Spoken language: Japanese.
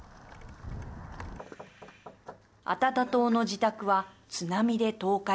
アタタ島の自宅は津波で倒壊。